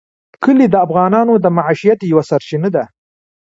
کلي د افغانانو د معیشت یوه سرچینه ده.